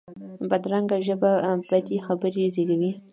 بدرنګه ژبه بدې خبرې زېږوي